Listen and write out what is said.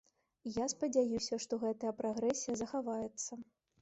І я спадзяюся, што гэтая прагрэсія захаваецца.